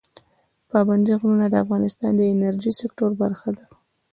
پابندی غرونه د افغانستان د انرژۍ سکتور برخه ده.